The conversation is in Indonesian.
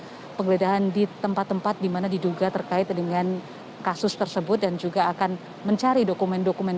melakukan penggeledahan di tempat tempat di mana diduga terkait dengan kasus tersebut dan juga akan mencari dokumen dokumen